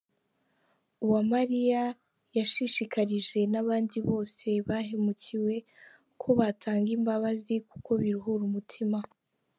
Uwamariya yashishikarije n’abandi bose bahemukiwe ko batanga imbabazi kuko biruhura umutima.